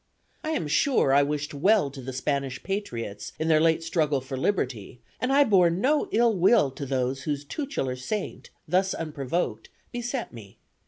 I am sure I wished well to the Spanish patriots, in their late struggle for liberty, and I bore no ill will to those whose tutelar saint, thus unprovoked, beset me.